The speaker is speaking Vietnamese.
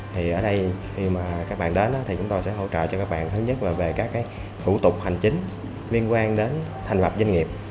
thì ở đây khi mà các bạn đến thì chúng tôi sẽ hỗ trợ cho các bạn thứ nhất là về các cái thủ tục hành chính liên quan đến thành lập doanh nghiệp